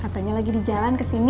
katanya lagi di jalan ke sini